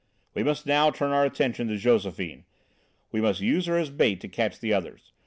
"We must now turn our attention to Josephine; we must use her as a bait to catch the others.